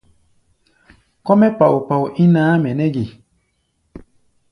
Kɔ́-mɛ́ pao-pao ín ǎmʼɛ nɛ́ ge?